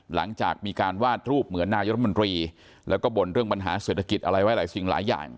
หลังจากมีการวาดรูปเหมือนนายรัฐมนตรีแล้วก็บ่นเรื่องปัญหาเศรษฐกิจอะไรไว้หลายสิ่งหลายอย่าง